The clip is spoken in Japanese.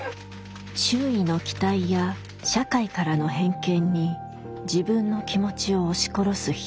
周囲の期待や社会からの偏見に自分の気持ちを押し殺す日々。